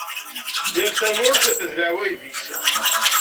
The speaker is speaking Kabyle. Yal tamurt d leεwayed-is.